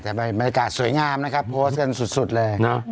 แต่บรรยากาศสวยงามนะครับโพสต์กันสุดเลย